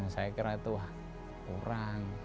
saya kira itu kurang